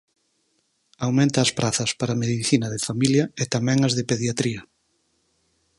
Aumenta as prazas para medicina de familia e tamén as de pediatría.